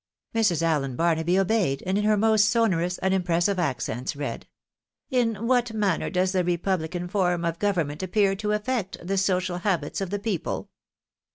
Mrs. Allen Barnaby obeyed, and in her most sonorous and im pressive accents read —" In what manner does the republican form of government appear to afi'ect the social habits of the people?